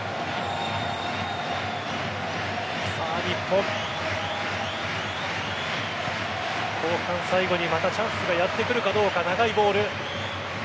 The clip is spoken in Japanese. さあ日本後半、最後にまたチャンスがやってくるかどうか長いボール。